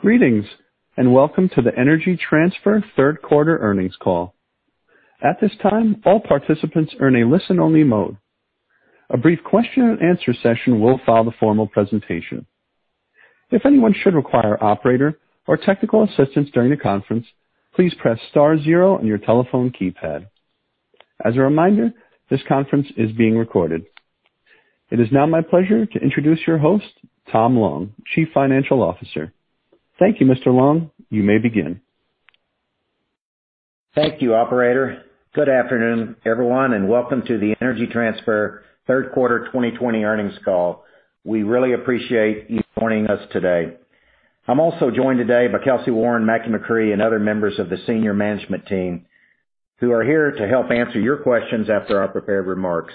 Greetings, and welcome to the Energy Transfer third quarter earnings call. At this time, all participants are in a listen-only mode. A brief question-and-answer session will follow the formal presentation. If anyone should require an operator or technical assistant during the conference, please press zero on your telephone keypad. As a reminder, this conference is being recorded. It is now my pleasure to introduce your host, Tom Long, Chief Financial Officer. Thank you, Mr. Long. You may begin. Thank you, operator. Good afternoon, everyone, and welcome to the Energy Transfer third quarter 2020 earnings call. We really appreciate you joining us today. I'm also joined today by Kelcy Warren, Mackie McCrea, and other members of the senior management team who are here to help answer your questions after I prepared remarks.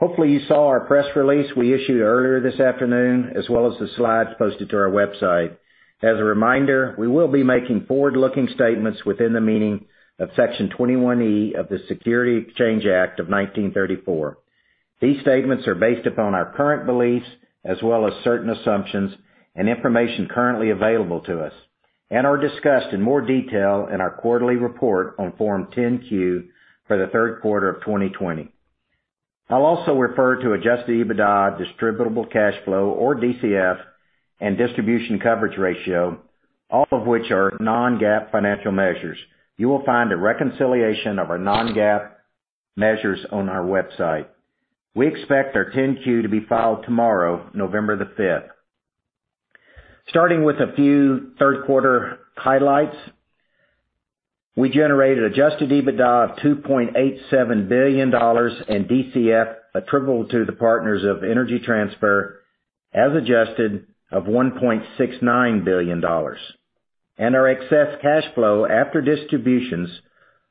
Hopefully, you saw our press release we issued earlier this afternoon, as well as the slides posted to our website. As a reminder, we will be making forward-looking statements within the meaning of Section 21E of the Securities Exchange Act of 1934. These statements are based upon our current beliefs as well as certain assumptions and information currently available to us and are discussed in more detail in our quarterly report on Form 10-Q for the third quarter of 2020. I'll also refer to adjusted EBITDA, distributable cash flow, or DCF, and distribution coverage ratio, all of which are non-GAAP financial measures. You will find a reconciliation of our non-GAAP measures on our website. We expect our 10-Q to be filed tomorrow, November the 5th. Starting with a few third quarter highlights. We generated adjusted EBITDA of $2.87 billion and DCF attributable to the partners of Energy Transfer as adjusted of $1.69 billion. Our excess cash flow after distributions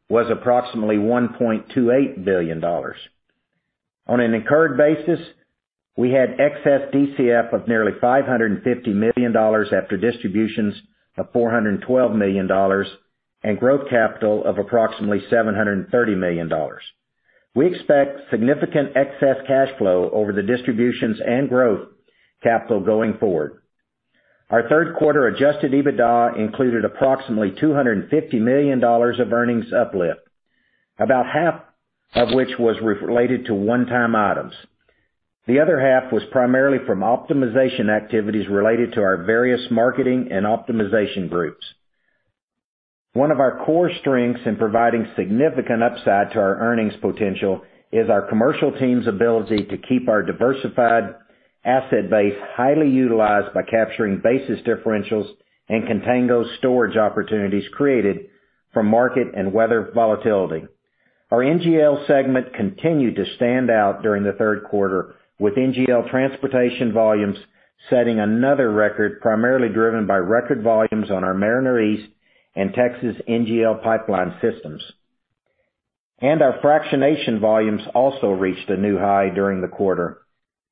was approximately $1.28 billion. On an incurred basis, we had excess DCF of nearly $550 million after distributions of $412 million and growth capital of approximately $730 million. We expect significant excess cash flow over the distributions and growth capital going forward. Our third quarter adjusted EBITDA included approximately $250 million of earnings uplift, about half of which was related to one-time items. The other half was primarily from optimization activities related to our various marketing and optimization groups. One of our core strengths in providing significant upside to our earnings potential is our commercial team's ability to keep our diversified asset base highly utilized by capturing basis differentials and contango storage opportunities created from market and weather volatility. Our NGL segment continued to stand out during the third quarter, with NGL transportation volumes setting another record, primarily driven by record volumes on our Mariner East and Texas NGL Pipeline systems. Our fractionation volumes also reached a new high during the quarter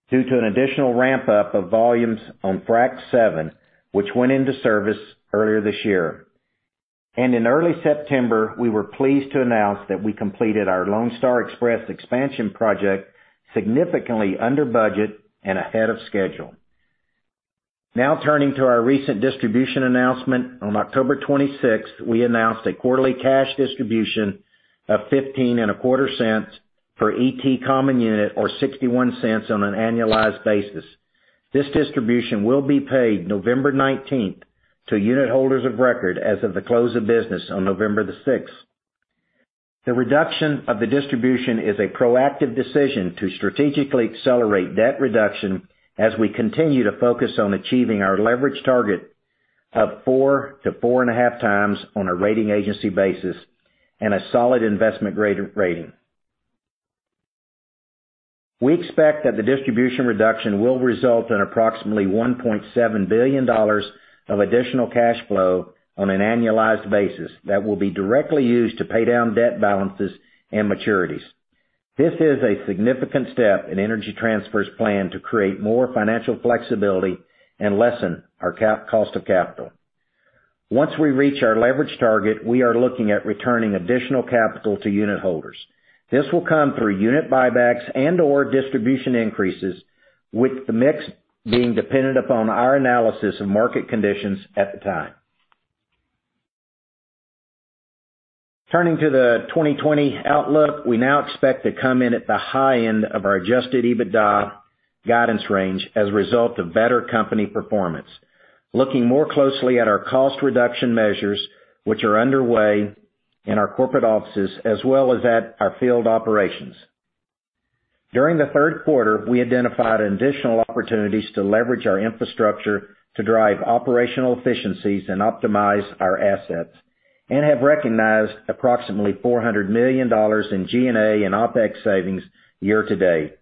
due to an additional ramp-up of volumes on Frac 7, which went into service earlier this year. In early September, we were pleased to announce that we completed our Lone Star Express expansion project significantly under budget and ahead of schedule. Now turning to our recent distribution announcement. On October 26th, we announced a quarterly cash distribution of $0.1525 per ET common unit or $0.61 on an annualized basis. This distribution will be paid November 19th to unit holders of record as of the close of business on November the 6th. The reduction of the distribution is a proactive decision to strategically accelerate debt reduction as we continue to focus on achieving our leverage target of 4-4.5 times on a rating agency basis and a solid investment-grade rating. We expect that the distribution reduction will result in approximately $1.7 billion of additional cash flow on an annualized basis that will be directly used to pay down debt balances and maturities. This is a significant step in Energy Transfer's plan to create more financial flexibility and lessen our cost of capital. Once we reach our leverage target, we are looking at returning additional capital to unit holders. This will come through unit buybacks and/or distribution increases, with the mix being dependent upon our analysis of market conditions at the time. Turning to the 2020 outlook. We now expect to come in at the high end of our adjusted EBITDA guidance range as a result of better company performance. Looking more closely at our cost reduction measures, which are underway in our corporate offices as well as at our field operations. During the third quarter, we identified additional opportunities to leverage our infrastructure to drive operational efficiencies and optimize our assets and have recognized approximately $400 million in G&A and OpEx savings year to date.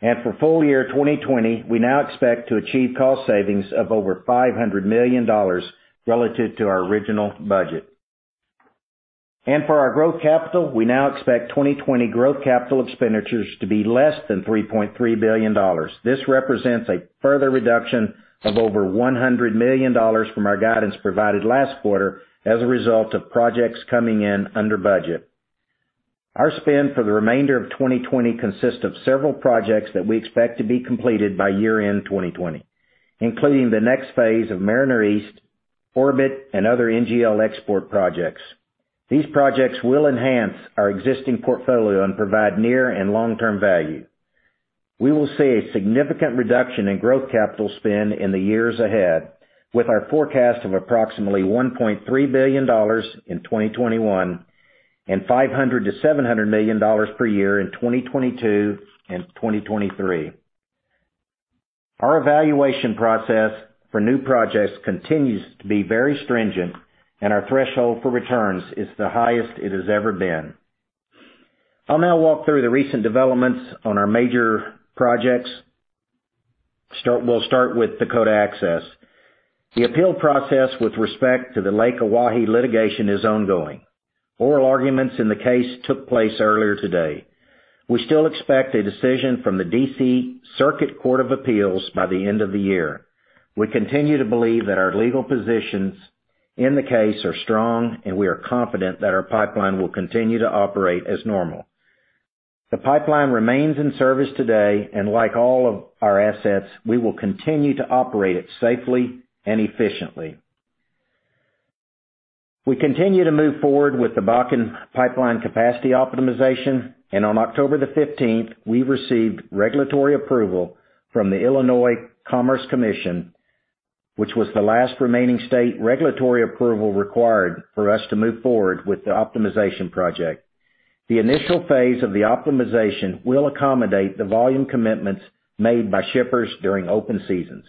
For full year 2020, we now expect to achieve cost savings of over $500 million relative to our original budget. For our growth capital, we now expect 2020 growth capital expenditures to be less than $3.3 billion. This represents a further reduction of over $100 million from our guidance provided last quarter as a result of projects coming in under budget. Our spend for the remainder of 2020 consists of several projects that we expect to be completed by year-end 2020, including the next phase of Mariner East, Orbit, and other NGL export projects. These projects will enhance our existing portfolio and provide near and long-term value. We will see a significant reduction in growth capital spend in the years ahead with our forecast of approximately $1.3 billion in 2021 and $500 million-$700 million per year in 2022 and 2023. Our evaluation process for new projects continues to be very stringent, and our threshold for returns is the highest it has ever been. I'll now walk through the recent developments on our major projects. We'll start with Dakota Access. The appeal process with respect to the Lake Oahe litigation is ongoing. Oral arguments in the case took place earlier today. We still expect a decision from the D.C. Circuit Court of Appeals by the end of the year. We continue to believe that our legal positions in the case are strong, and we are confident that our pipeline will continue to operate as normal. The pipeline remains in service today, and like all of our assets, we will continue to operate it safely and efficiently. We continue to move forward with the Bakken Pipeline capacity optimization, and on October the 15th, we received regulatory approval from the Illinois Commerce Commission, which was the last remaining state regulatory approval required for us to move forward with the optimization project. The initial phase of the optimization will accommodate the volume commitments made by shippers during open seasons.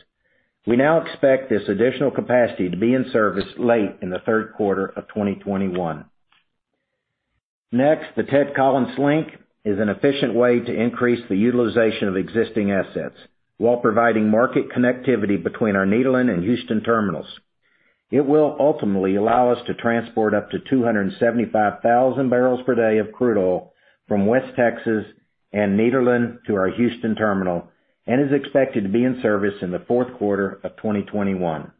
We now expect this additional capacity to be in service late in the third quarter of 2021. The Ted Collins Link is an efficient way to increase the utilization of existing assets while providing market connectivity between our Nederland and Houston terminals. It will ultimately allow us to transport up to 275,000 barrels per day of crude oil from West Texas and Nederland to our Houston terminal and is expected to be in service in the fourth quarter of 2021.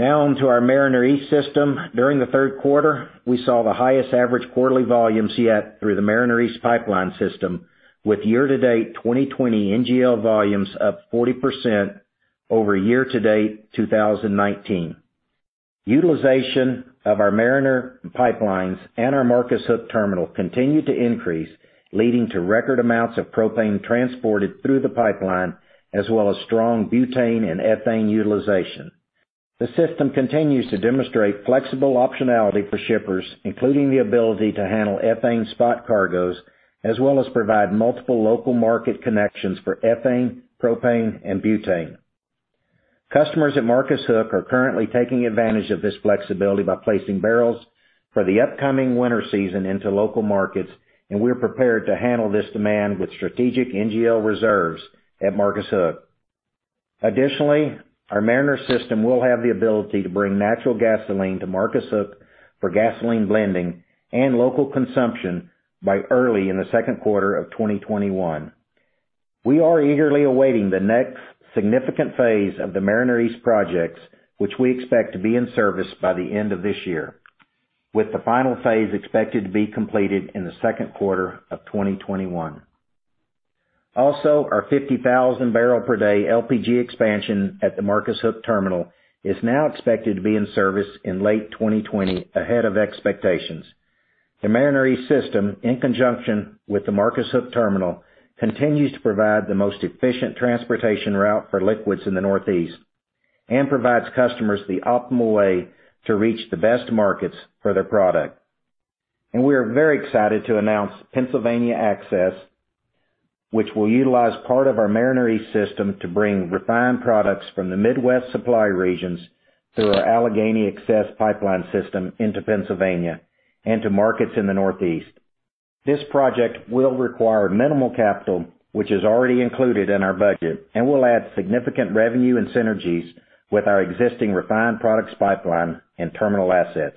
Onto our Mariner East system. During the third quarter, we saw the highest average quarterly volumes yet through the Mariner East pipeline system, with year-to-date 2020 NGL volumes up 40% over year-to-date 2019. Utilization of our Mariner pipelines and our Marcus Hook terminal continue to increase, leading to record amounts of propane transported through the pipeline, as well as strong butane and ethane utilization. The system continues to demonstrate flexible optionality for shippers, including the ability to handle ethane spot cargoes, as well as provide multiple local market connections for ethane, propane, and butane. Customers at Marcus Hook are currently taking advantage of this flexibility by placing barrels for the upcoming winter season into local markets, and we're prepared to handle this demand with strategic NGL reserves at Marcus Hook. Additionally, our Mariner system will have the ability to bring natural gasoline to Marcus Hook for gasoline blending and local consumption by early in the second quarter of 2021. We are eagerly awaiting the next significant phase of the Mariner East projects, which we expect to be in service by the end of this year, with the final phase expected to be completed in the second quarter of 2021. Our 50,000-barrel-per-day LPG expansion at the Marcus Hook terminal is now expected to be in service in late 2020, ahead of expectations. The Mariner East system, in conjunction with the Marcus Hook terminal, continues to provide the most efficient transportation route for liquids in the Northeast and provides customers the optimal way to reach the best markets for their product. We are very excited to announce Pennsylvania Access, which will utilize part of our Mariner East system to bring refined products from the Midwest supply regions through our Allegheny Access pipeline system into Pennsylvania and to markets in the Northeast. This project will require minimal capital, which is already included in our budget and will add significant revenue and synergies with our existing refined products pipeline and terminal assets.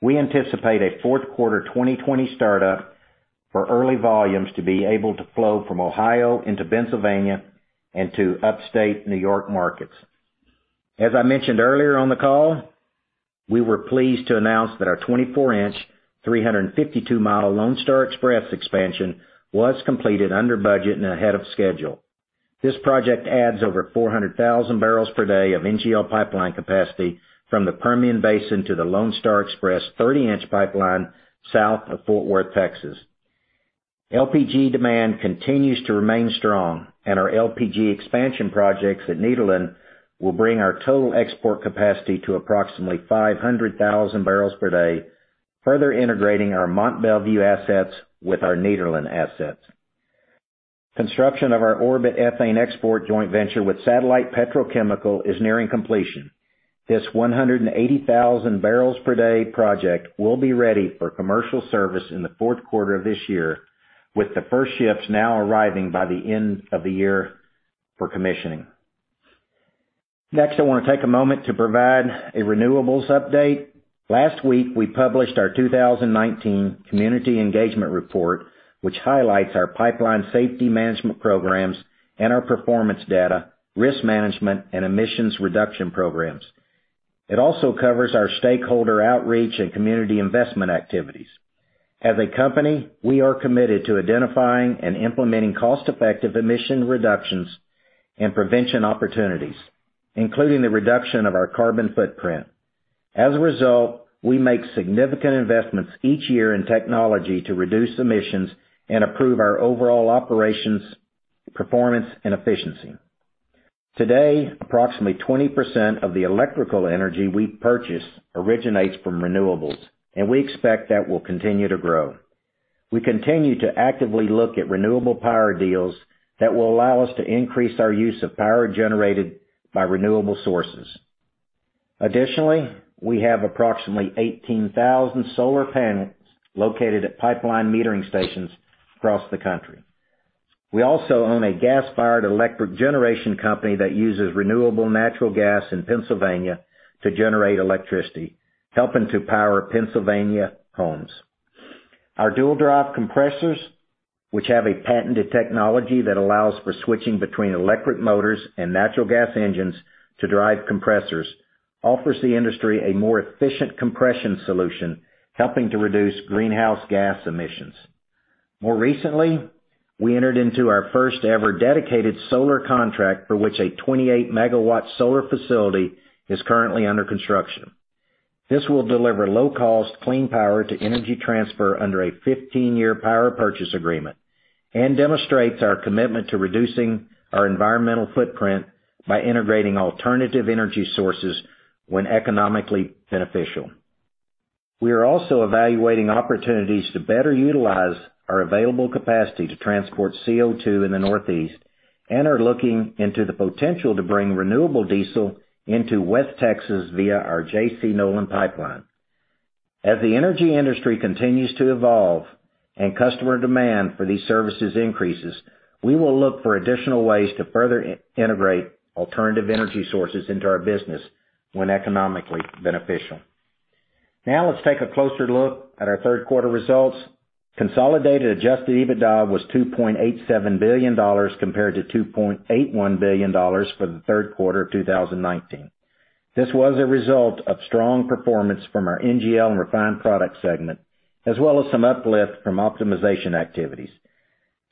We anticipate a fourth quarter 2020 startup for early volumes to be able to flow from Ohio into Pennsylvania and to upstate New York markets. As I mentioned earlier on the call, we were pleased to announce that our 24-inch, 352-mile Lone Star Express expansion was completed under budget and ahead of schedule. This project adds over 400,000 barrels per day of NGL pipeline capacity from the Permian Basin to the Lone Star Express 30-inch pipeline south of Fort Worth, Texas. LPG demand continues to remain strong, and our LPG expansion projects at Nederland will bring our total export capacity to approximately 500,000 barrels per day, further integrating our Mont Belvieu assets with our Nederland assets. Construction of our Orbit ethane export joint venture with Satellite Petrochemical is nearing completion. This 180,000 barrels per day project will be ready for commercial service in the fourth quarter of this year, with the first ships now arriving by the end of the year for commissioning. I want to take a moment to provide a renewables update. Last week, we published our 2019 Community Engagement Report, which highlights our pipeline safety management programs and our performance data, risk management, and emissions reduction programs. It also covers our stakeholder outreach and community investment activities. As a company, we are committed to identifying and implementing cost-effective emission reductions and prevention opportunities, including the reduction of our carbon footprint. As a result, we make significant investments each year in technology to reduce emissions and improve our overall operations, performance, and efficiency. Today, approximately 20% of the electrical energy we purchase originates from renewables, and we expect that will continue to grow. We continue to actively look at renewable power deals that will allow us to increase our use of power generated by renewable sources. Additionally, we have approximately 18,000 solar panels located at pipeline metering stations across the country. We also own a gas-fired electric generation company that uses renewable natural gas in Pennsylvania to generate electricity, helping to power Pennsylvania homes. Our dual-drive compressors, which have a patented technology that allows for switching between electric motors and natural gas engines to drive compressors, offer the industry a more efficient compression solution, helping to reduce greenhouse gas emissions. More recently, we entered into our first-ever dedicated solar contract, for which a 28 MW solar facility is currently under construction. This will deliver low-cost, clean power to Energy Transfer under a 15-year power purchase agreement and demonstrate our commitment to reducing our environmental footprint by integrating alternative energy sources when economically beneficial. We are also evaluating opportunities to better utilize our available capacity to transport CO2 in the Northeast and are looking into the potential to bring renewable diesel into West Texas via our J.C. Nolan pipeline. As the energy industry continues to evolve and customer demand for these services increases, we will look for additional ways to further integrate alternative energy sources into our business when economically beneficial. Now let's take a closer look at our third-quarter results. Consolidated adjusted EBITDA was $2.87 billion, compared to $2.81 billion for the third quarter of 2019. This was a result of strong performance from our NGL and refined products segment, as well as some uplift from optimization activities.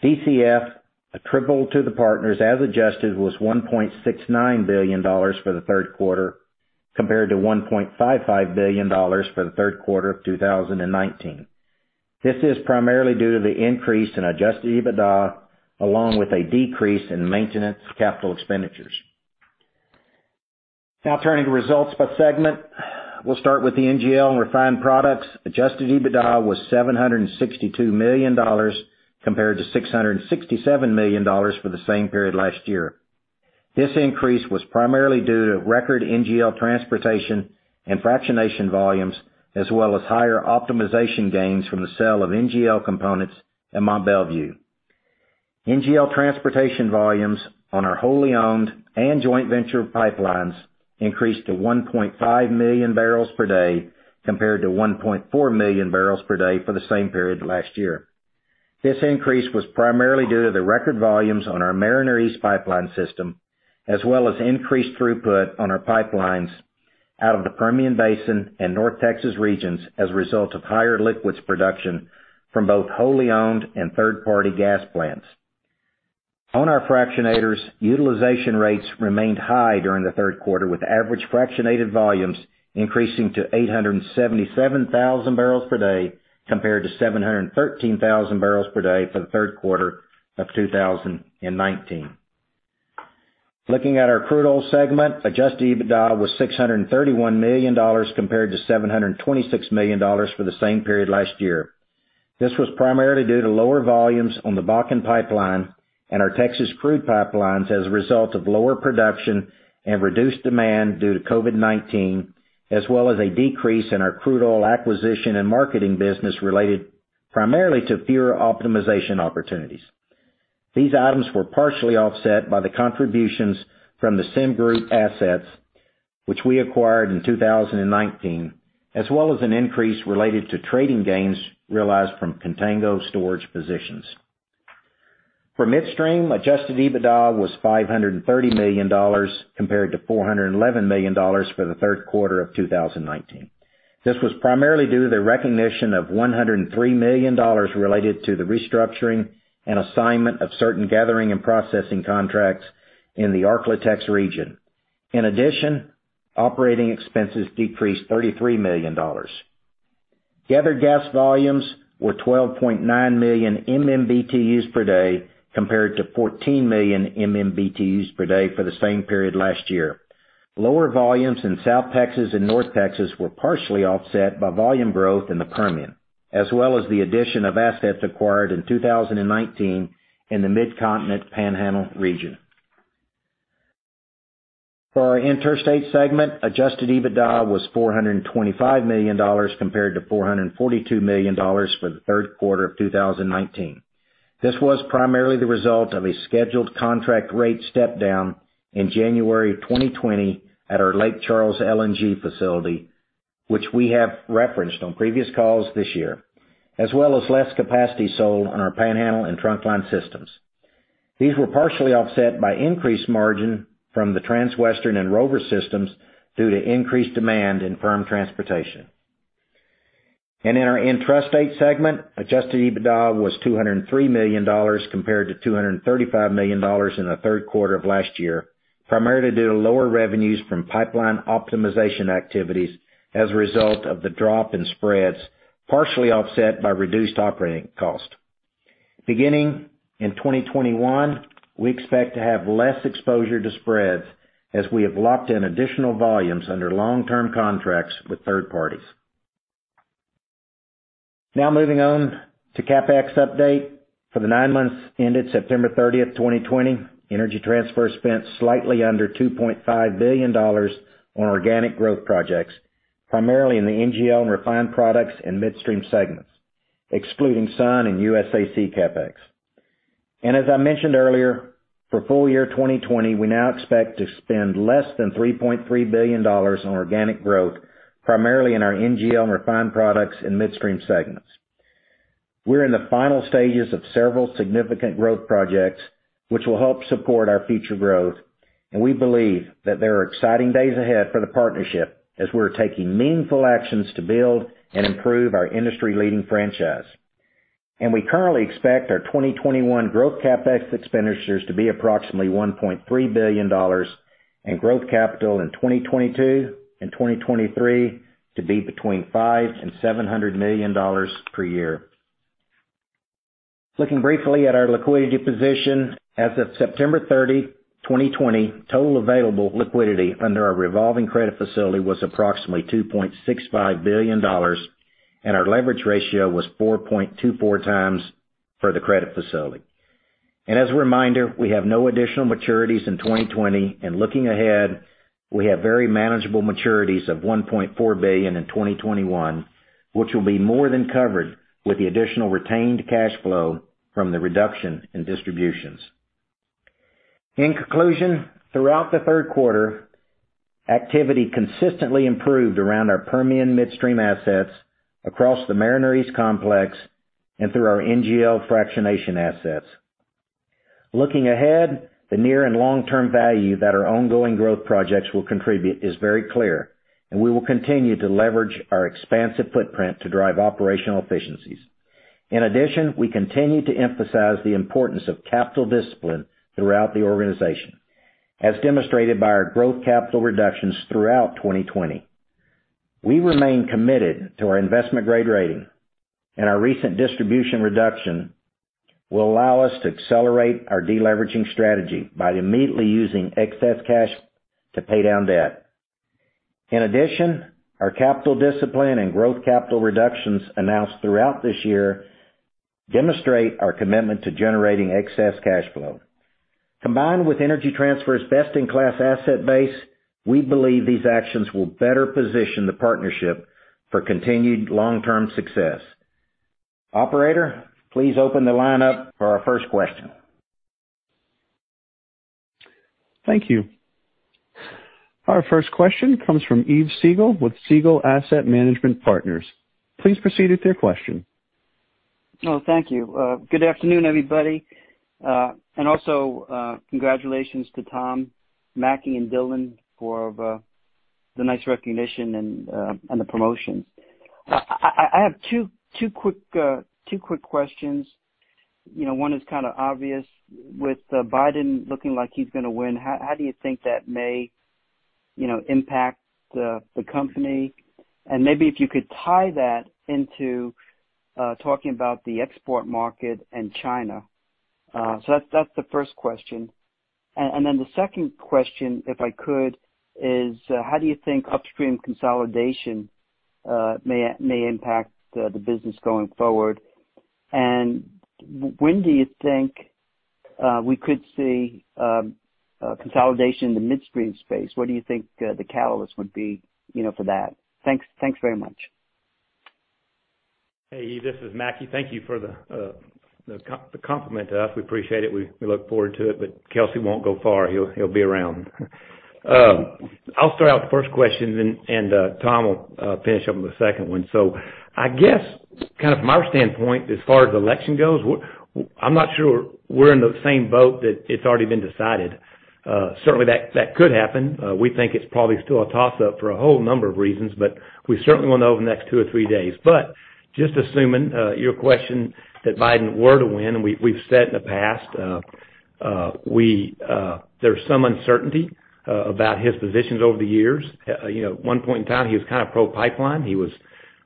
DCF attributable to the partners as adjusted was $1.69 billion for the third quarter, compared to $1.55 billion for the third quarter of 2019. This is primarily due to the increase in adjusted EBITDA, along with a decrease in maintenance capital expenditures. Turning to results by segment. We'll start with the NGL and refined products. Adjusted EBITDA was $762 million compared to $667 million for the same period last year. This increase was primarily due to record NGL transportation and fractionation volumes, as well as higher optimization gains from the sale of NGL components at Mont Belvieu. NGL transportation volumes on our wholly owned and joint venture pipelines increased to 1.5 million barrels per day, compared to 1.4 million barrels per day for the same period last year. This increase was primarily due to the record volumes on our Mariner East pipeline system, as well as increased throughput on our pipelines out of the Permian Basin and North Texas regions as a result of higher liquids production from both wholly owned and third-party gas plants. On our fractionators, utilization rates remained high during the third quarter, with average fractionated volumes increasing to 877,000 barrels per day, compared to 713,000 barrels per day for the third quarter of 2019. Looking at our crude oil segment, adjusted EBITDA was $631 million compared to $726 million for the same period last year. This was primarily due to lower volumes on the Bakken Pipeline and our Texas crude pipelines as a result of lower production and reduced demand due to COVID-19, as well as a decrease in our crude oil acquisition and marketing business related primarily to fewer optimization opportunities. These items were partially offset by the contributions from the SemGroup assets, which we acquired in 2019, as well as an increase related to trading gains realized from contango storage positions. For midstream, adjusted EBITDA was $530 million compared to $411 million for the third quarter of 2019. This was primarily due to the recognition of $103 million related to the restructuring and assignment of certain gathering and processing contracts in the Ark-La-Tex region. In addition, operating expenses decreased $33 million. Gathered gas volumes were 12.9 million MMBtus per day, compared to 14 million MMBtus per day for the same period last year. Lower volumes in South Texas and North Texas were partially offset by volume growth in the Permian, as well as the addition of assets acquired in 2019 in the Midcontinent Panhandle region. For our interstate segment, adjusted EBITDA was $425 million compared to $442 million for the third quarter of 2019. This was primarily the result of a scheduled contract rate step-down in January 2020 at our Lake Charles LNG facility, which we have referenced on previous calls this year, as well as less capacity sold on our Panhandle and Trunkline systems. These were partially offset by increased margin from the Transwestern and Rover systems due to increased demand in firm transportation. In our Intrastate segment, adjusted EBITDA was $203 million compared to $235 million in the third quarter of last year, primarily due to lower revenues from pipeline optimization activities as a result of the drop in spreads, partially offset by reduced operating costs. Beginning in 2021, we expect to have less exposure to spreads as we have locked in additional volumes under long-term contracts with third parties. Now moving on to CapEx update. For the nine months ended September 30th, 2020, Energy Transfer spent slightly under $2.5 billion on organic growth projects, primarily in the NGL and refined products and midstream segments, excluding Sun and USAC CapEx. As I mentioned earlier, for full year 2020, we now expect to spend less than $3.3 billion on organic growth, primarily in our NGL and refined products and midstream segments. We're in the final stages of several significant growth projects, which will help support our future growth, and we believe that there are exciting days ahead for the partnership as we're taking meaningful actions to build and improve our industry-leading franchise. We currently expect our 2021 growth CapEx expenditures to be approximately $1.3 billion and growth capital in 2022 and 2023 to be between $5 and $700 million per year. Looking briefly at our liquidity position. As of September 30, 2020, total available liquidity under our revolving credit facility was approximately $2.65 billion, and our leverage ratio was 4.24 times for the credit facility. As a reminder, we have no additional maturities in 2020, and looking ahead, we have very manageable maturities of $1.4 billion in 2021, which will be more than covered with the additional retained cash flow from the reduction in distributions. In conclusion, throughout the third quarter, activity consistently improved around our Permian midstream assets across the Mariner East complex and through our NGL fractionation assets. Looking ahead, the near and long-term value that our ongoing growth projects will contribute is very clear, and we will continue to leverage our expansive footprint to drive operational efficiencies. In addition, we continue to emphasize the importance of capital discipline throughout the organization, as demonstrated by our growth capital reductions throughout 2020. We remain committed to our investment-grade rating, and our recent distribution reduction will allow us to accelerate our deleveraging strategy by immediately using excess cash to pay down debt. In addition, our capital discipline and growth capital reductions announced throughout this year demonstrate our commitment to generating excess cash flow. Combined with Energy Transfer's best-in-class asset base, we believe these actions will better position the partnership for continued long-term success. Operator, please open the line up for our first question. Thank you. Our first question comes from Yves Siegel with Siegel Asset Management Partners. Please proceed with your question. Oh, thank you. Good afternoon, everybody. Also, congratulations to Tom, Mackie, and Dylan for the nice recognition and the promotions. I have two quick questions. One is kind of obvious. With Biden looking like he's going to win, how do you think that may impact the company? Maybe if you could tie that into talking about the export market and China. That's the first question. Then the second question, if I could, is how do you think upstream consolidation may impact the business going forward? When do you think we could see consolidation in the midstream space? What do you think the catalyst would be for that? Thanks very much. Hey, Yves, this is Mackie. Thank you for the compliment to us. We appreciate it. We look forward to it, but Kelcy won't go far. He'll be around. I'll start out with the first question, and Tom will finish up with the second one. I guess from our standpoint, as far as the election goes, I'm not sure we're in the same boat that it's already been decided. Certainly, that could happen. We think it's probably still a toss-up for a whole number of reasons, but we certainly will know over the next two or three days. Just assuming your question that Biden were to win, and we've said in the past, there's some uncertainty about his positions over the years. One point in time, he was kind of pro-pipeline. He was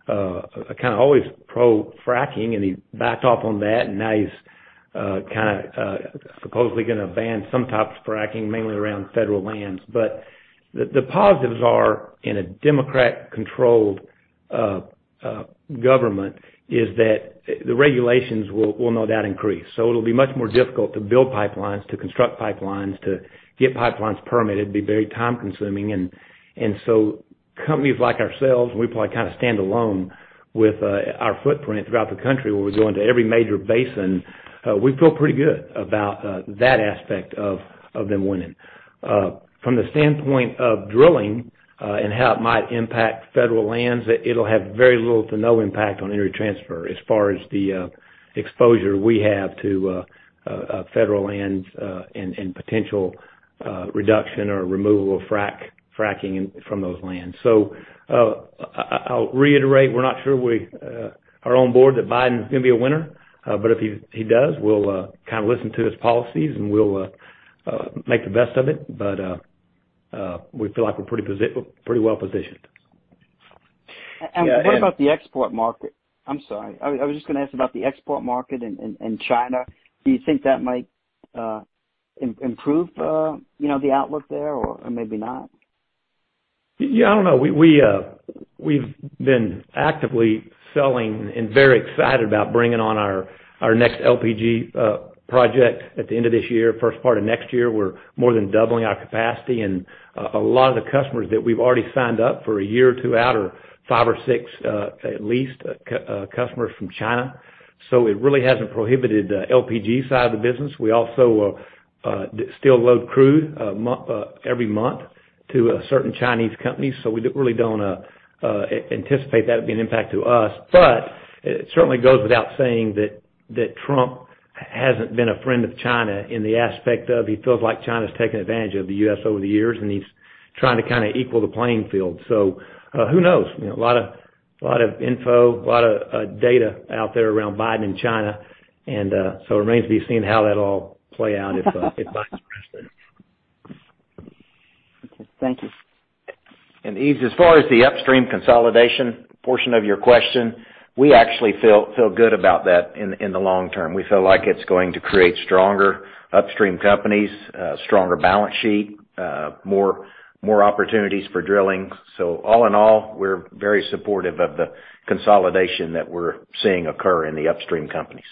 kind of always pro-fracking, and he backed off on that, and now he's kind of supposedly going to ban some types of fracking, mainly around federal lands. The positives are in a Democrat-controlled government is that the regulations will no doubt increase. It'll be much more difficult to build pipelines, to construct pipelines, to get pipelines permitted. It'd be very time-consuming. Companies like ourselves, and we probably kind of stand alone with our footprint throughout the country where we go into every major basin, we feel pretty good about that aspect of them winning. From the standpoint of drilling and how it might impact federal lands, it'll have very little to no impact on Energy Transfer as far as the exposure we have to federal lands and potential reduction or removal of fracking from those lands. I'll reiterate, we're not sure we are on board that Biden's going to be a winner. If he does, we'll kind of listen to his policies and we'll make the best of it. We feel like we're pretty well-positioned. What about the export market? I'm sorry. I was just going to ask about the export market in China. Do you think that might improve the outlook there, or maybe not? Yeah, I don't know. We've been actively selling and very excited about bringing on our next LPG project at the end of this year, first part of next year. We're more than doubling our capacity, and a lot of the customers that we've already signed up for a year or two out are five or six at least customers from China. We also still load crude every month to certain Chinese companies. We really don't anticipate that being an impact to us. It certainly goes without saying that Trump hasn't been a friend of China in the aspect of, he feels like China's taken advantage of the U.S. over the years, and he's trying to kind of equal the playing field. Who knows? A lot of info, a lot of data out there around Biden and China. It remains to be seen how that'll all play out if Biden's president. Okay. Thank you. Yves, as far as the upstream consolidation portion of your question, we actually feel good about that in the long term. We feel like it's going to create stronger upstream companies, a stronger balance sheet, more opportunities for drilling. All in all, we're very supportive of the consolidation that we're seeing occur in the upstream companies.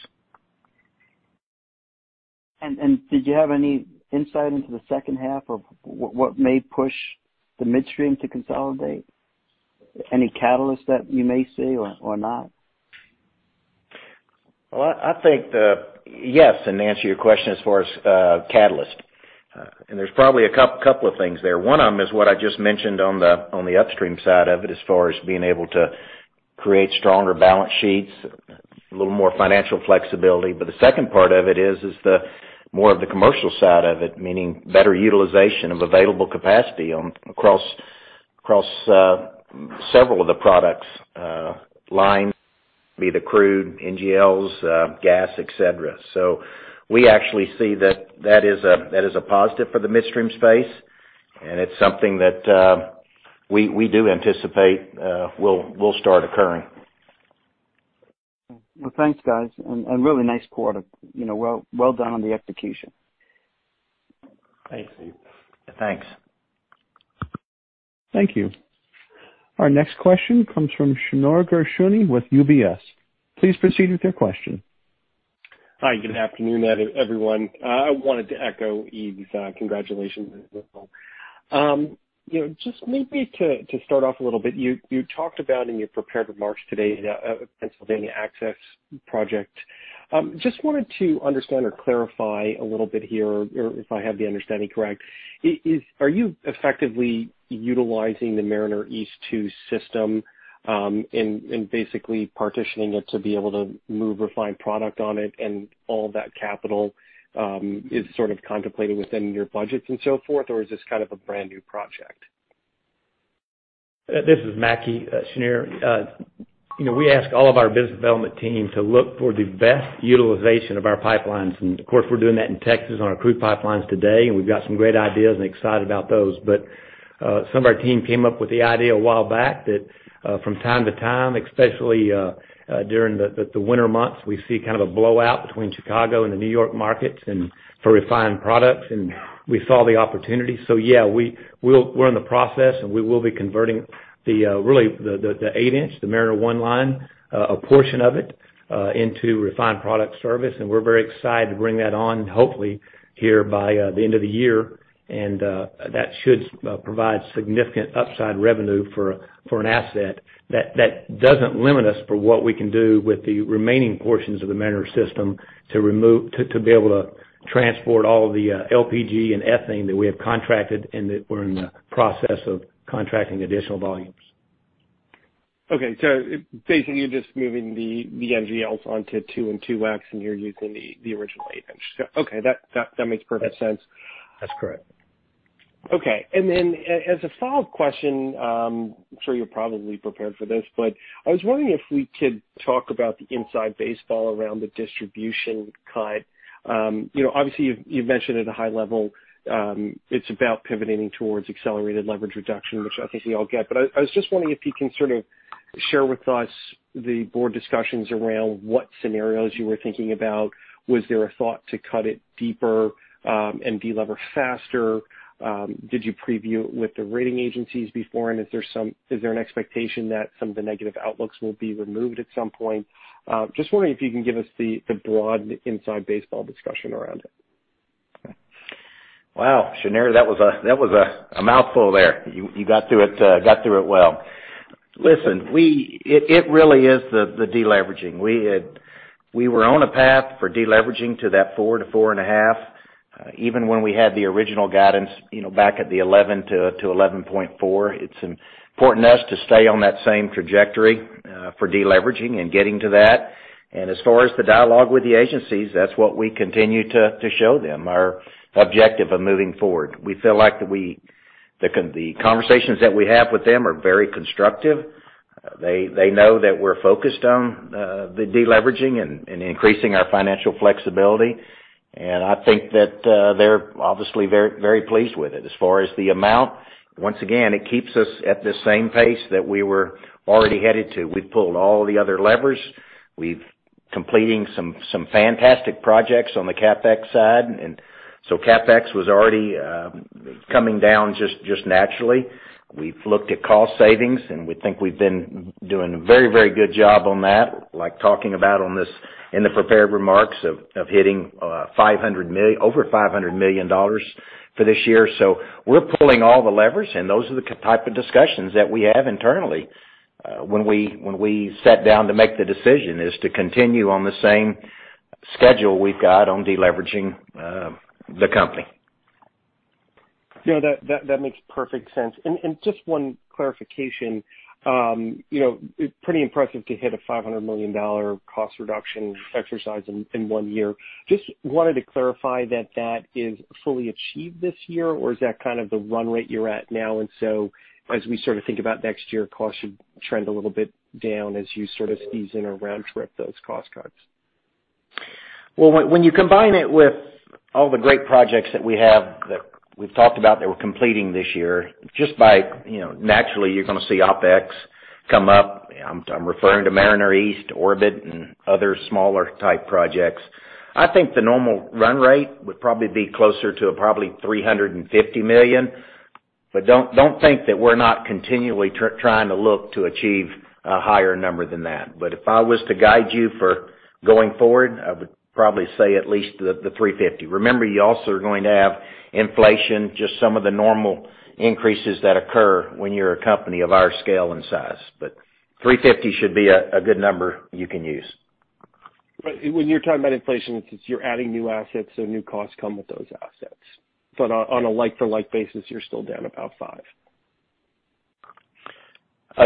Did you have any insight into the second half of what may push the midstream to consolidate? Any catalyst that you may see or not? Well, I think, yes, to answer your question as far as a catalyst, there's probably a couple of things there. One of them is what I just mentioned on the upstream side of it as far as being able to create stronger balance sheets, a little more financial flexibility. The second part of it is the more of the commercial side of it, meaning better utilization of available capacity across several of the product lines, be it crude, NGLs, gas, et cetera. We actually see that is a positive for the midstream space, and it's something that we do anticipate will start occurring. Well, thanks, guys, and a really nice quarter. Well done on the execution. Thanks, Yves. Thanks. Thank you. Our next question comes from Shneur Gershuni with UBS. Please proceed with your question. Hi. Good afternoon, everyone. I wanted to echo Yves's congratulations as well. Just maybe to start off a little bit, you talked about in your prepared remarks today the Pennsylvania Access Project. Just wanted to understand or clarify a little bit here or if I have the understanding correct. Are you effectively utilizing the Mariner East 2 system and basically partitioning it to be able to move refined products on it, and all that capital is sort of contemplated within your budgets and so forth, or is this kind of a brand-new project? This is Mackie. Shneur, we ask all of our business development team to look for the best utilization of our pipelines. Of course, we're doing that in Texas on our crude pipelines today, and we've got some great ideas and excited about those. Some of our team came up with the idea a while back that from time to time, especially during the winter months, we see kind of a blowout between Chicago and the New York markets and for refined products, and we saw the opportunity. Yeah, we're in the process, and we will be converting the 8-inch, the Mariner East 1 line, a portion of it, into refined product service, and we're very excited to bring that on, hopefully, here by the end of the year. That should provide significant upside revenue for an asset that doesn't limit us for what we can do with the remaining portions of the Mariner system to be able to transport all of the LPG and ethane that we have contracted and that we're in the process of contracting additional volumes. Okay. Basically, you're just moving the NGLs onto two and 2X, and you're using the original eight-inch. Okay. That makes perfect sense. That's correct. Okay. As a follow-up question, I'm sure you're probably prepared for this, but I was wondering if we could talk about the inside baseball around the distribution cut. Obviously, you've mentioned at a high level it's about pivoting towards accelerated leverage reduction, which I think we all get. I was just wondering if you can sort of share with us the board discussions around what scenarios you were thinking about. Was there a thought to cut it deeper and de-lever faster? Did you preview it with the rating agencies before, and is there an expectation that some of the negative outlooks will be removed at some point? Just wondering if you can give us the broad inside baseball discussion around it. Wow, Shneur, that was a mouthful there. You got through it well. Listen, it really is the deleveraging. We were on a path for deleveraging to that 4-4.5, even when we had the original guidance back at the 11-11.4. It's important to us to stay on that same trajectory for deleveraging and getting to that. As far as the dialogue with the agencies, that's what we continue to show them. Our objective of moving forward. We feel like the conversations that we have with them are very constructive. They know that we're focused on the deleveraging and increasing our financial flexibility. I think that they're obviously very pleased with it. As far as the amount, once again, it keeps us at the same pace that we were already headed to. We've pulled all the other levers. We're completing some fantastic projects on the CapEx side. CapEx was already coming down just naturally. We've looked at cost savings, and we think we've been doing a very good job on that, like talking about in the prepared remarks of hitting over $500 million for this year. We're pulling all the levers, and those are the type of discussions that we have internally. When we sat down to make the decision is to continue on the same schedule we've got on deleveraging the company. Yeah, that makes perfect sense. Just one clarification. It's pretty impressive to hit a $500 million cost reduction exercise in one year. Just wanted to clarify that that is fully achieved this year, or is that kind of the run rate you're at now? As we sort of think about next year, costs should trend a little bit down as you sort of ease in or round trip those cost cuts. Well, when you combine it with all the great projects that we have, that we've talked about that we're completing this year, just by, naturally, you're going to see OpEx come up. I'm referring to Mariner East, Orbit, and other smaller-type projects. I think the normal run rate would probably be closer to probably $350 million. Don't think that we're not continually trying to look to achieve a higher number than that. If I was to guide you for going forward, I would probably say at least the $350. Remember, you also are going to have inflation, just some of the normal increases that occur when you're a company of our scale and size. $350 should be a good number you can use. When you're talking about inflation, it's you're adding new assets, so new costs come with those assets. On a like-for-like basis, you're still down about five.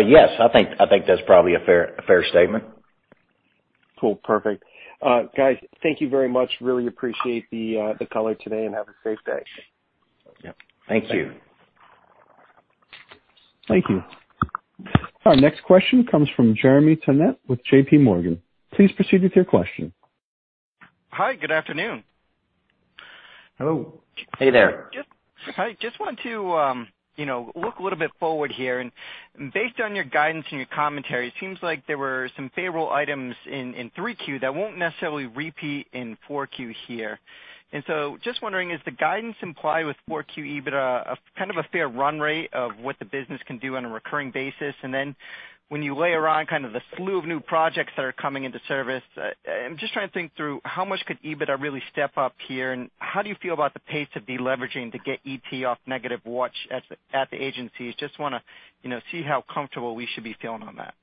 Yes. I think that's probably a fair statement. Cool. Perfect. Guys, thank you very much. Really appreciate the color today, and have a safe day. Yep. Thank you. Thank you. Our next question comes from Jeremy Tonet with JPMorgan. Please proceed with your question. Hi, good afternoon. Hello. Hey there. Hi. Just want to look a little bit forward here, and based on your guidance and your commentary, it seems like there were some favorable items in 3Q that won't necessarily repeat in 4Q here. Just wondering, is the guidance implied with 4Q EBITDA a fair run rate of what the business can do on a recurring basis? Then when you layer on kind of the slew of new projects that are coming into service, I'm just trying to think through how much could EBITDA really step up here, and how do you feel about the pace of deleveraging to get ET off negative watch at the agencies? Just want to see how comfortable we should be feeling on that.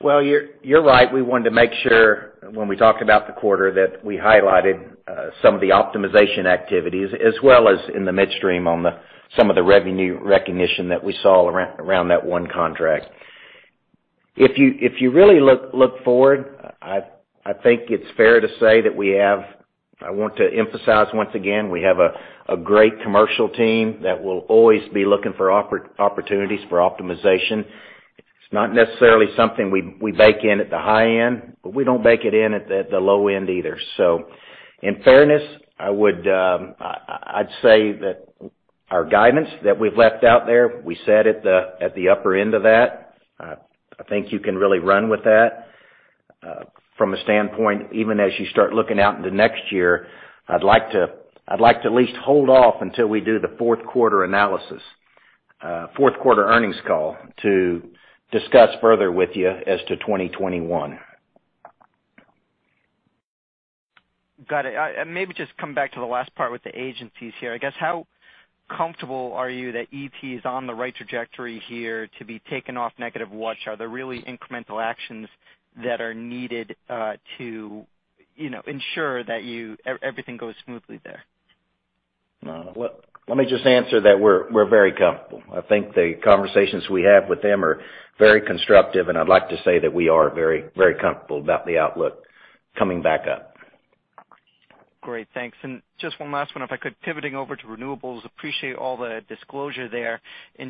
Well, you're right. We wanted to make sure when we talked about the quarter that we highlighted some of the optimization activities as well as in the midstream on some of the revenue recognition that we saw around that one contract. If you really look forward, I think it's fair to say that I want to emphasize once again, we have a great commercial team that will always be looking for opportunities for optimization. It's not necessarily something we bake in at the high end, but we don't bake it in at the low end either. In fairness, I'd say that our guidance that we've left out there, we set it at the upper end of that. I think you can really run with that. From a standpoint, even as you start looking out into next year, I'd like to at least hold off until we do the fourth quarter analysis, fourth quarter earnings call to discuss further with you as to 2021. Got it. Maybe just come back to the last part with the agencies here. I guess, how comfortable are you that ET is on the right trajectory here to be taken off negative watch? Are there really incremental actions that are needed to ensure that everything goes smoothly there? Let me just answer that we're very comfortable. I think the conversations we have with them are very constructive. I'd like to say that we are very comfortable about the outlook coming back up. Great. Thanks. Just one last one, if I could, pivoting over to renewables; appreciate all the disclosure there.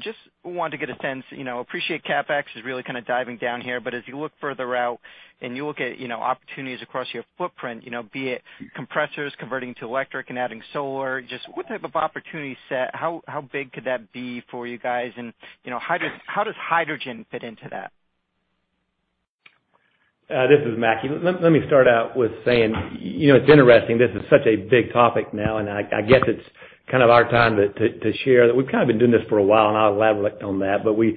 Just wanted to get a sense, appreciate CapEx is really kind of diving down here, but as you look further out and you look at opportunities across your footprint, be it compressors converting to electric and adding solar, just what type of opportunity set, how big could that be for you guys? How does hydrogen fit into that? This is Mackie. Let me start out with saying it's interesting this is such a big topic now. I guess it's kind of our time to share that we've kind of been doing this for a while, and I'll elaborate on that. We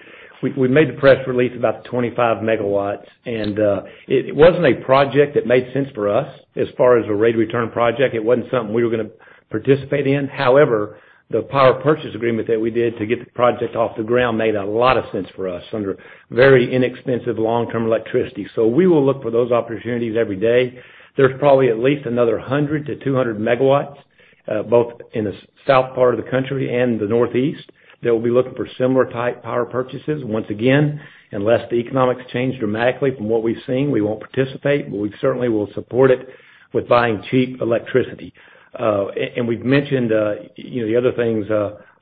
made the press release about the 25 megawatts, and it wasn't a project that made sense for us as far as a rate of return project. It wasn't something we were going to participate in. However, the power purchase agreement that we did to get the project off the ground made a lot of sense for us under very inexpensive long-term electricity. We will look for those opportunities every day. There's probably at least another 100-200 megawatts, both in the South part of the country and the Northeast. They'll be looking for similar type power purchases. Once again, unless the economics change dramatically from what we've seen, we won't participate, but we certainly will support it with buying cheap electricity. We've mentioned the other things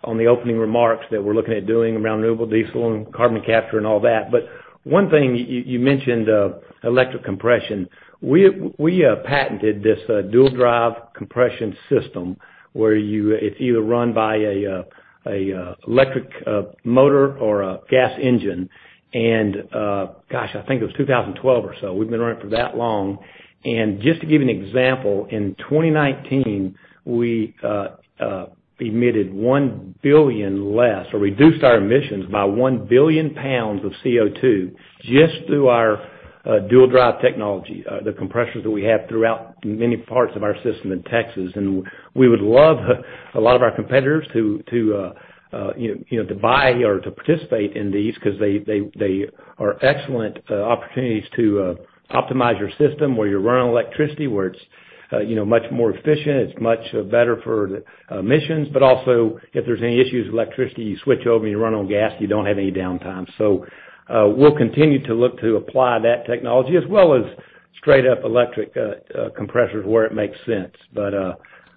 on the opening remarks that we're looking at doing around renewable diesel and carbon capture and all that. One thing, you mentioned electric compression. We patented this dual drive compression system where it's either run by an electric motor or a gas engine, and, gosh, I think it was 2012 or so. We've been running it for that long. Just to give you an example, in 2019, we emitted 1 billion less, or reduced our emissions by 1 billion pounds of CO2, just through our dual drive technology, the compressors that we have throughout many parts of our system in Texas. We would love a lot of our competitors to buy or to participate in these because they are excellent opportunities to optimize your system where you're running electricity, where it's much more efficient, it's much better for the emissions. Also, if there's any issues with electricity, you switch over and you run on gas; you don't have any downtime. We'll continue to look to apply that technology as well as straight-up electric compressors where it makes sense.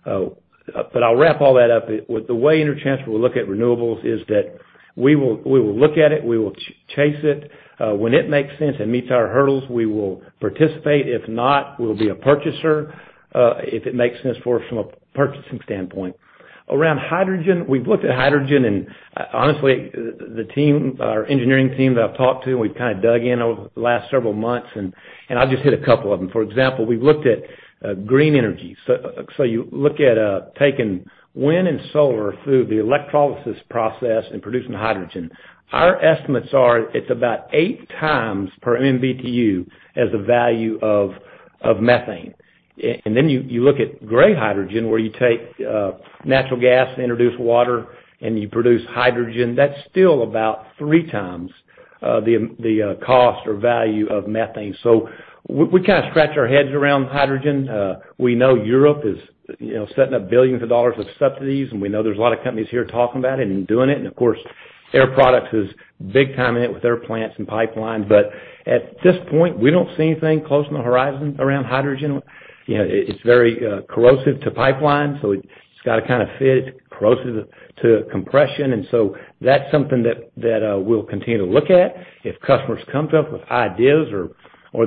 I'll wrap all that up. The way Energy Transfer will look at renewables is that we will look at it; we will chase it. When it makes sense and meets our hurdles, we will participate. If not, we'll be a purchaser if it makes sense for us from a purchasing standpoint. Around hydrogen, we've looked at hydrogen. Honestly, our engineering team that I've talked to, we've kind of dug in over the last several months. I'll just hit a couple of them. For example, we've looked at green energy. You look at taking wind and solar through the electrolysis process and producing hydrogen. Our estimates are it's about 8 times per MBTU as the value of methane. You look at gray hydrogen, where you take natural gas, introduce water, and you produce hydrogen. That's still about 3 times the cost or value of methane. We kind of scratch our heads around hydrogen. We know Europe is setting up billions of dollars of subsidies; we know there's a lot of companies here talking about it and doing it. Of course, Air Products is big time in it with their plants and pipelines. At this point, we don't see anything close on the horizon around hydrogen. It's very corrosive to pipelines, so it's got to kind of fit. It's corrosive to compression. That's something that we'll continue to look at. If customers come to us with ideas or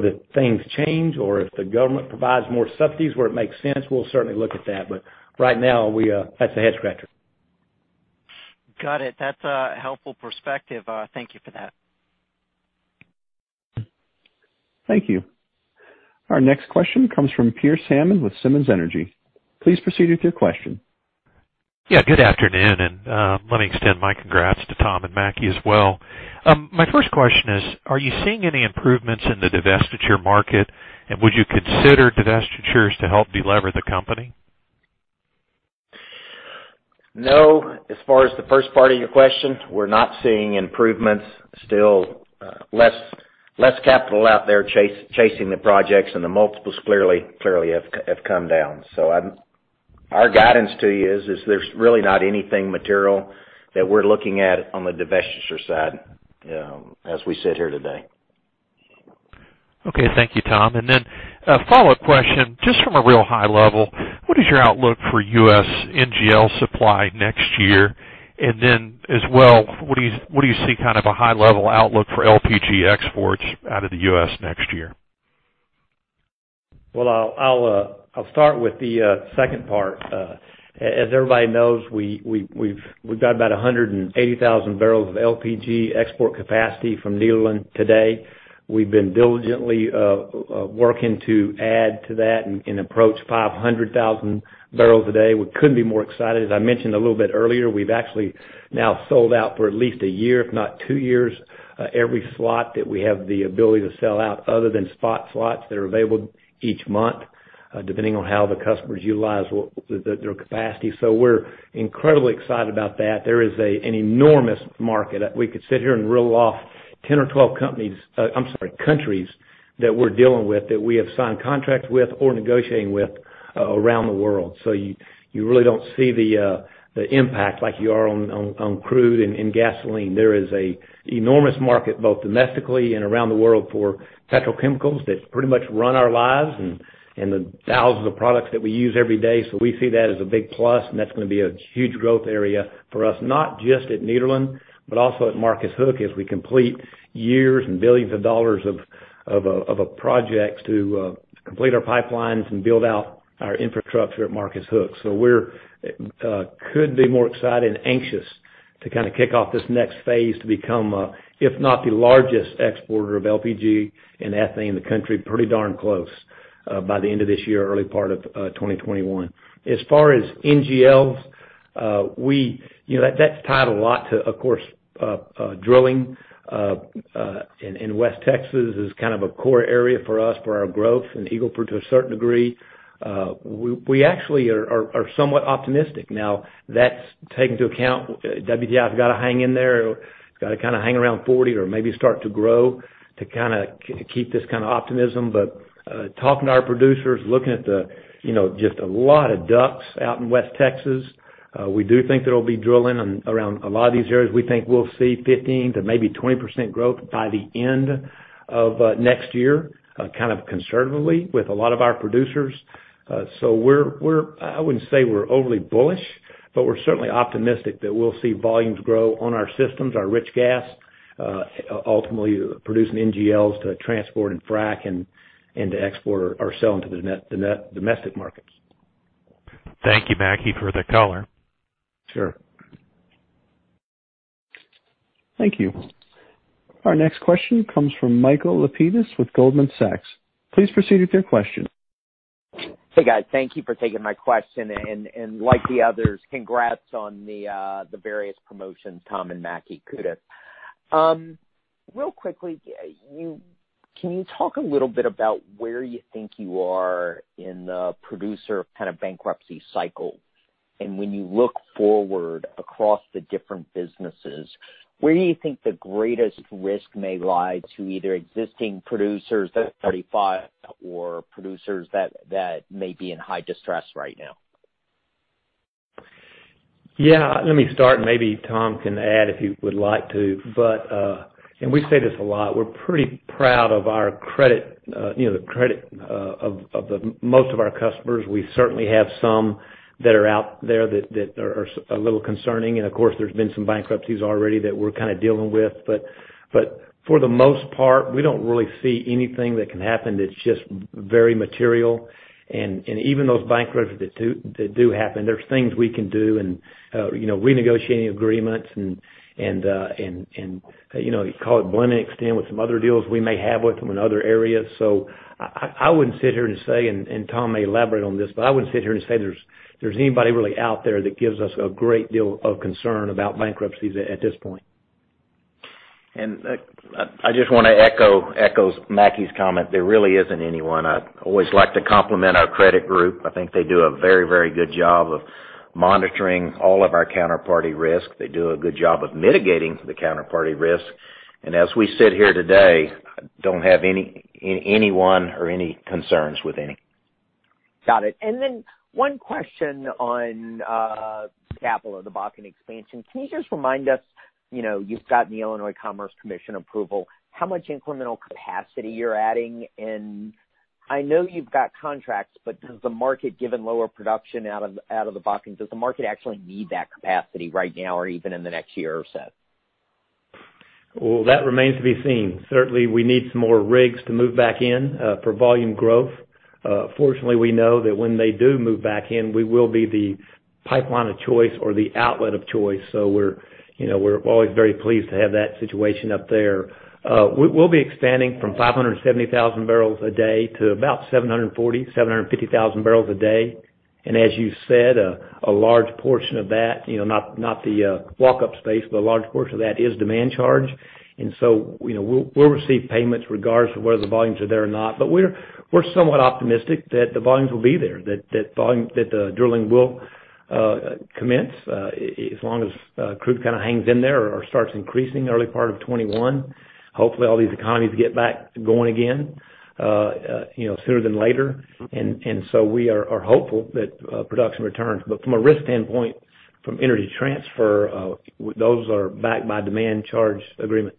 if things change or if the government provides more subsidies where it makes sense, we'll certainly look at that. Right now, that's a head-scratcher. Got it. That's a helpful perspective. Thank you for that. Thank you. Our next question comes from Pierre Salmon with Simmons Energy. Please proceed with your question. Yeah, good afternoon, and let me extend my congrats to Tom and Mackie as well. My first question is, are you seeing any improvements in the divestiture market? Would you consider divestitures to help delever the company? No, as far as the first part of your question, we're not seeing improvements. Still less capital out there chasing the projects, and the multiples clearly have come down. Our guidance to you is, there's really not anything material that we're looking at on the divestiture side as we sit here today. Okay. Thank you, Tom. A follow-up question: just from a real high level, what is your outlook for U.S. NGL supply next year? As well, what do you see kind of a high-level outlook for LPG exports out of the U.S. next year? Well, I'll start with the second part. As everybody knows, we've got about 180,000 barrels of LPG export capacity from Nederland today. We've been diligently working to add to that and approach 500,000 barrels a day. We couldn't be more excited. As I mentioned a little bit earlier, we've actually now sold out for at least a year, if not two years, every slot that we have the ability to sell out, other than spot slots that are available each month, depending on how the customers utilize their capacity. We're incredibly excited about that. There is an enormous market. We could sit here and reel off 10 or 12 countries that we're dealing with, that we have signed contracts with, or negotiating with around the world. You really don't see the impact like you are on crude and gasoline. There is an enormous market, both domestically and around the world, for petrochemicals that pretty much run our lives and the thousands of products that we use every day. We see that as a big plus, and that's going to be a huge growth area for us, not just at Nederland but also at Marcus Hook as we complete years and billions of dollars of a project to complete our pipelines and build out our infrastructure at Marcus Hook. We couldn't be more excited and anxious to kind of kick off this next phase to become, if not the largest exporter of LPG and ethane in the country, pretty darn close by the end of this year, early part of 2021. As far as NGLs, that's tied a lot to, of course, drilling in West Texas is kind of a core area for us for our growth, and Eagle Ford to a certain degree. We actually are somewhat optimistic now. That's taking into account WTI's got to hang in there, got to kind of hang around $40 or maybe start to grow to kind of keep this kind of optimism. Talking to our producers, looking at just a lot of DUCs out in West Texas. We do think there'll be drilling around a lot of these areas. We think we'll see 15%-20% growth by the end of next year, kind of conservatively with a lot of our producers. I wouldn't say we're overly bullish, but we're certainly optimistic that we'll see volumes grow on our systems, our rich gas ultimately producing NGLs to transport and frac and to export or sell into the domestic markets. Thank you, Mackie, for the color. Sure. Thank you. Our next question comes from Michael Lapides with Goldman Sachs. Please proceed with your question. Hey, guys. Thank you for taking my question, and like the others, congrats on the various promotions, Tom and Mackie. Kudos. Real quickly, can you talk a little bit about where you think you are in the producer kind of bankruptcy cycle? When you look forward across the different businesses, where do you think the greatest risk may lie to either existing producers that are 35 or producers that may be in high distress right now? Let me start. Maybe Tom can add if he would like to. We say this a lot; we're pretty proud of our credit of most of our customers. We certainly have some that are out there that are a little concerning. Of course, there's been some bankruptcies already that we're kind of dealing with. For the most part, we don't really see anything that can happen that's just very material. Even those bankruptcies that do happen, there's things we can do and renegotiating agreements and call it blend and extend with some other deals we may have with them in other areas. I wouldn't sit here and say, and Tom may elaborate on this, but I wouldn't sit here and say there's anybody really out there that gives us a great deal of concern about bankruptcies at this point. I just want to echo Mackie's comment. There really isn't anyone. I always like to compliment our credit group. I think they do a very good job of monitoring all of our counterparty risk. They do a good job of mitigating the counterparty risk. As we sit here today, I don't have anyone or any concerns with any. Got it. Then one question on capital of the Bakken expansion. Can you just remind us, you've gotten the Illinois Commerce Commission approval, how much incremental capacity you're adding? I know you've got contracts, but does the market, given lower production out of the Bakken, does the market actually need that capacity right now or even in the next year or so? Well, that remains to be seen. Certainly, we need some more rigs to move back in for volume growth. Fortunately, we know that when they do move back in, we will be the pipeline of choice or the outlet of choice. We're always very pleased to have that situation up there. We'll be expanding from 570,000 barrels a day to about 740,000-750,000 barrels a day. As you said, a large portion of that, not the walk-up space, but a large portion of that is demand charge. We'll receive payments regardless of whether the volumes are there or not. We're somewhat optimistic that the volumes will be there, that the drilling will commence as long as crude kind of hangs in there or starts increasing early part of 2021. Hopefully, all these economies get back going again sooner than later. We are hopeful that production returns. From a risk standpoint from Energy Transfer, those are backed by demand charge agreements.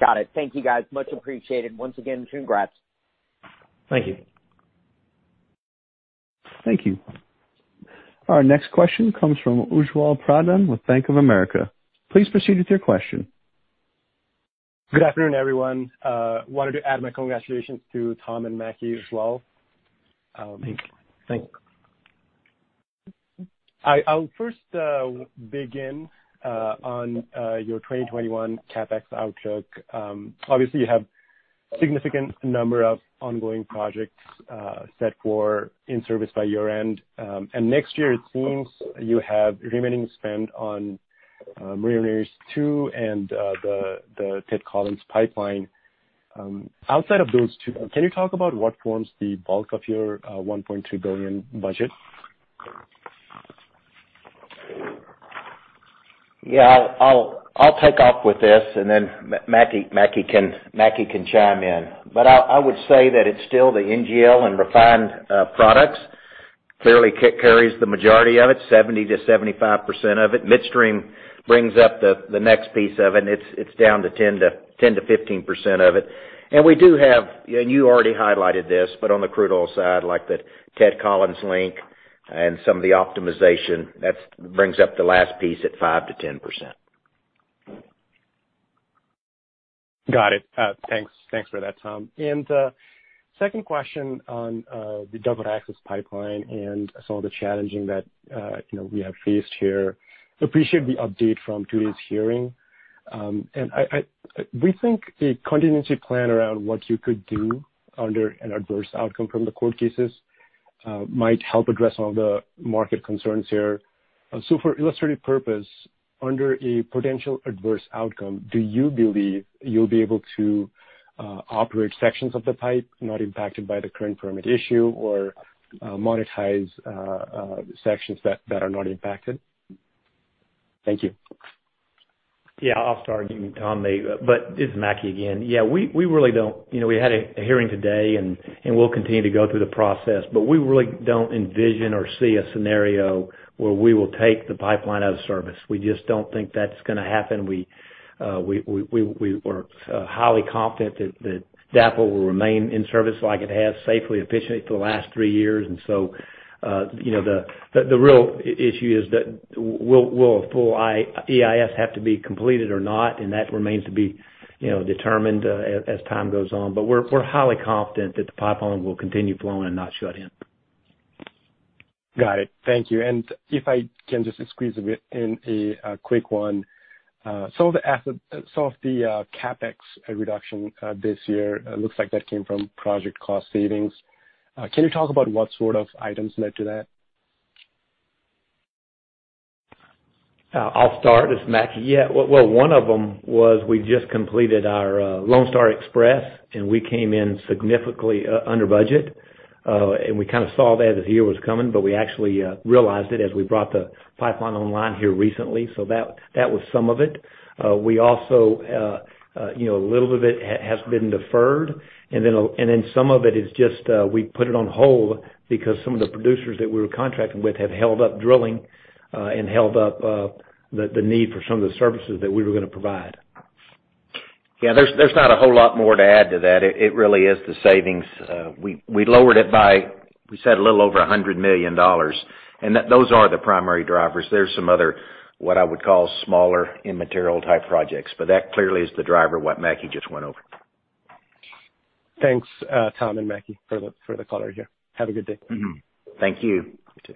Got it. Thank you, guys. Much appreciated. Once again, congrats. Thank you. Thank you. Our next question comes from Ujjwal Pradhan with Bank of America. Please proceed with your question. Good afternoon, everyone. I wanted to add my congratulations to Tom and Mackie as well. Thank you. Thanks. I'll first begin on your 2021 CapEx outlook. Obviously, you have a significant number of ongoing projects set for in-service by year-end. Next year, it seems you have remaining spend on Mariner East 2 and the Ted Collins Pipeline. Outside of those two, can you talk about what forms the bulk of your $1.2 billion budget? Yeah. I'll take off with this, and then Mackie can chime in. I would say that it's still the NGL, and refined products clearly carries the majority of it, 70%-75% of it. Midstream brings up the next piece of it, and it's down to 10%-15% of it. We do have, and you already highlighted this, but on the crude oil side, like the Ted Collins Link and some of the optimization, that brings up the last piece at 5%-10%. Got it. Thanks for that, Tom. Second question on the Dakota Access Pipeline and some of the challenges that we have faced here. Appreciate the update from today's hearing. We think a contingency plan around what you could do under an adverse outcome from the court cases might help address some of the market concerns here. For illustrative purpose, under a potential adverse outcome, do you believe you'll be able to operate sections of the pipe not impacted by the current permit issue or monetize sections that are not impacted? Thank you. Yeah, I'll start, and Tom may. This is Mackie again. Yeah, we had a hearing today, and we'll continue to go through the process. We really don't envision or see a scenario where we will take the pipeline out of service. We just don't think that's going to happen. We are highly confident that DAPL will remain in service like it has safely, efficiently for the last three years. The real issue is that will a full EIS have to be completed or not. That remains to be determined as time goes on. We're highly confident that the pipeline will continue flowing and not shut in. Got it. Thank you. If I can just squeeze in a quick one. Some of the CapEx reduction this year looks like that came from project cost savings. Can you talk about what sort of items led to that? I'll start. This is Mackie. Yeah. Well, one of them was we just completed our Lone Star Express, and we came in significantly under budget. We kind of saw that as the year was coming, but we actually realized it as we brought the pipeline online here recently. That was some of it. We also, a little bit has been deferred, and then some of it is just we put it on hold because some of the producers that we were contracting with have held up drilling and held up the need for some of the services that we were going to provide. Yeah, there's not a whole lot more to add to that. It really is the savings. We lowered it by, we said a little over $100 million, and those are the primary drivers. There's some other, what I would call smaller immaterial type projects, but that clearly is the driver what Mackie just went over. Thanks, Tom and Mackie, for the color here. Have a good day. Thank you. You too.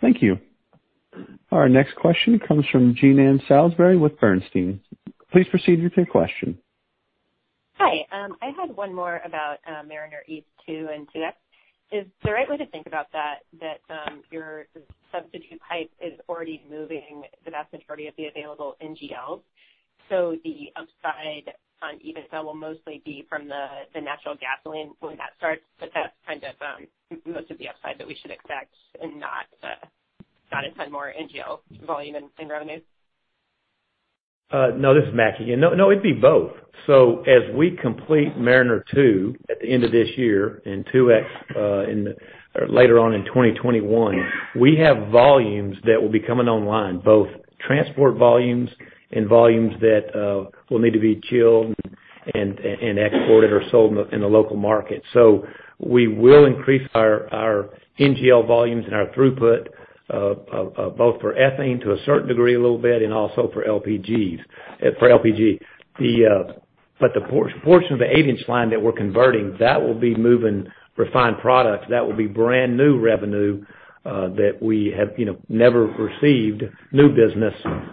Thank you. Our next question comes from Jean Ann Salisbury with Bernstein. Please proceed with your question. Hi. I had one more about Mariner East 2 and 2X. Is the right way to think about that your substitute pipe is already moving the vast majority of the available NGL? The upside on ethane, it'll mostly be from the natural gasoline when that starts, but that's kind of most of the upside that we should expect and not a ton more NGL volume and revenue? This is Mackie. It'd be both. As we complete Mariner 2 at the end of this year and 2X later on in 2021, we have volumes that will be coming online, both transport volumes and volumes that will need to be chilled and exported or sold in the local market. We will increase our NGL volumes and our throughput, both for ethane to a certain degree a little bit and also for LPGs. The portion of the eight-inch line that we're converting, that will be moving refined products, that will be brand new revenue that we have never received. New business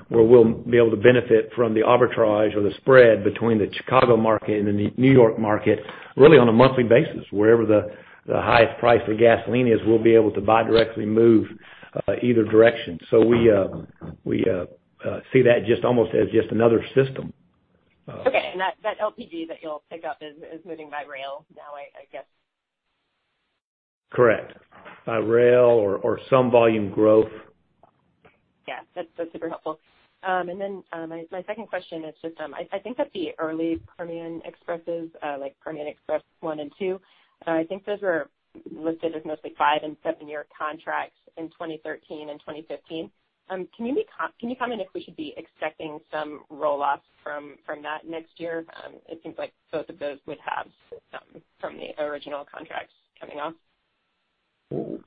where we'll be able to benefit from the arbitrage or the spread between the Chicago market and the New York market, really on a monthly basis. Wherever the highest price for gasoline is, we'll be able to directly move either direction. We see that just almost as just another system. Okay. That LPG that you'll pick up is moving by rail now, I guess? Correct. By rail or some volume growth. Yeah, that's super helpful. Then, my second question is just, I think that the early Permian Expresses, like Permian Express 1 and 2, I think those were listed as mostly five- and seven-year contracts in 2013 and 2015. Can you comment if we should be expecting some roll-offs from that next year? It seems like both of those would have some from the original contracts coming off.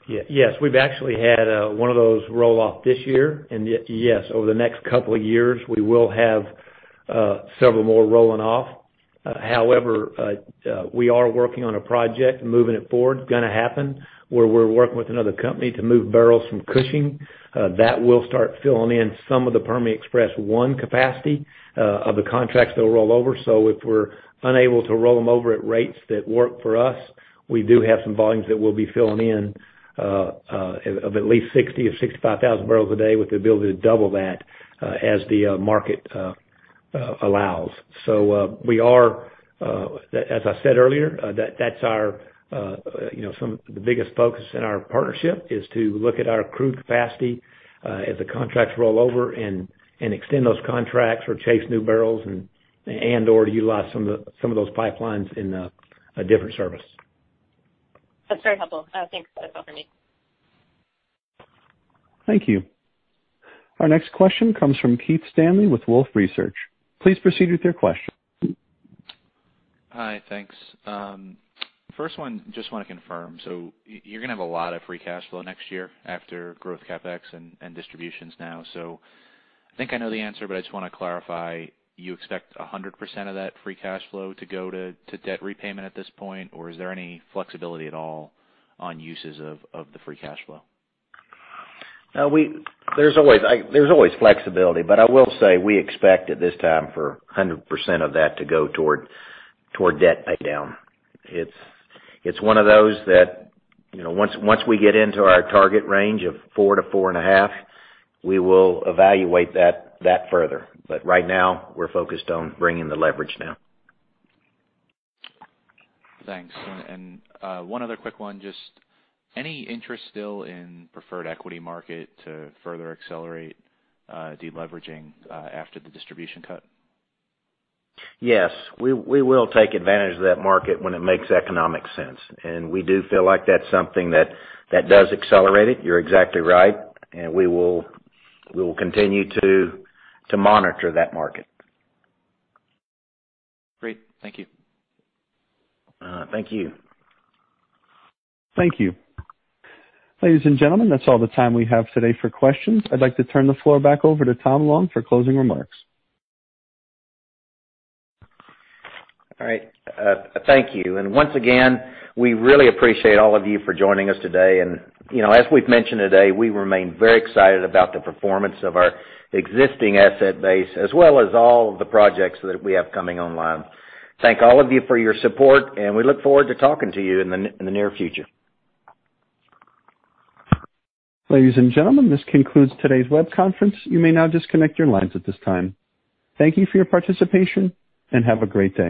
Yes. We've actually had one of those roll off this year. Yes, over the next couple of years, we will have several more rolling off. However, we are working on a project, moving it forward, going to happen, where we're working with another company to move barrels from Cushing. That will start filling in some of the Permian Express 1 capacity of the contracts that will roll over. If we're unable to roll them over at rates that work for us, we do have some volumes that we'll be filling in of at least 60,000-65,000 barrels a day with the ability to double that as the market allows. We are, as I said earlier, that's some of the biggest focus in our partnership is to look at our crude capacity as the contracts roll over and extend those contracts or chase new barrels and/or to utilize some of those pipelines in a different service. That's very helpful. Thanks. That's all for me. Thank you. Our next question comes from Keith Stanley with Wolfe Research. Please proceed with your question. Hi, thanks. First one, I just want to confirm you're going to have a lot of free cash flow next year after growth CapEx and distributions now. I think I know the answer, but I just want to clarify. You expect 100% of that free cash flow to go to debt repayment at this point, or is there any flexibility at all on uses of the free cash flow? There's always flexibility, but I will say we expect at this time for 100% of that to go toward debt paydown. It's one of those that, once we get into our target range of four to four and a half, we will evaluate that further. Right now, we're focused on bringing the leverage down. Thanks. One other quick one. Just any interest still in preferred equity market to further accelerate de-leveraging after the distribution cut? Yes. We will take advantage of that market when it makes economic sense. We do feel like that's something that does accelerate it. You're exactly right. We will continue to monitor that market Great. Thank you. Thank you Thank you. Ladies and gentlemen, that is all the time we have today for questions. I would like to turn the floor back over to Tom Long for closing remarks. All right. Thank you. Once again, we really appreciate all of you for joining us today. As we've mentioned today, we remain very excited about the performance of our existing asset base as well as all of the projects that we have coming online. Thank all of you for your support, and we look forward to talking to you in the near future. Ladies and gentlemen, this concludes today's web conference. You may now disconnect your lines at this time. Thank you for your participation, and have a great day.